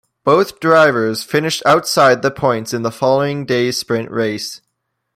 Both drivers finished outside the points in the following day's sprint race.